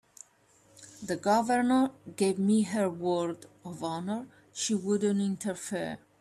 The Governor gave me her word of honor she wouldn't interfere.